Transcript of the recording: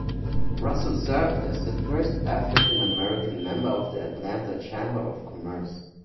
Russell served as the first African American member of the Atlanta Chamber of Commerce.